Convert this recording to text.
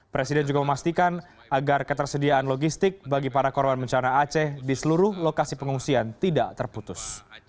presiden juga memastikan agar ketersediaan logistik bagi para korban bencana aceh di seluruh lokasi pengungsian tidak terputus